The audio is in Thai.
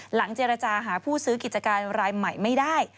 เจรจาหาผู้ซื้อกิจการรายใหม่ไม่ได้